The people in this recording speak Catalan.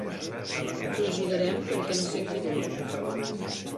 L'ajudarem perquè no senti dolor.